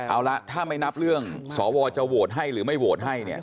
เอาละถ้าไม่นับเรื่องสวจะโหวตให้หรือไม่โหวตให้เนี่ย